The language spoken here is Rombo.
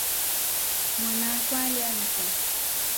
Mwana akwa alialikwa.